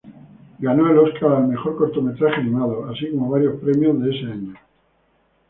Ganó el Oscar al mejor cortometraje animado, así como varios premios de ese año.